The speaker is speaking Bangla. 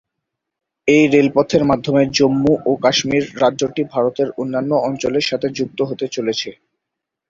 এই রেলপথের মাধ্যমে জম্মু ও কাশ্মীর রাজ্যটি ভারতের অন্যান্য অঞ্চলের সঙ্গে যুক্ত হতে চলেছে।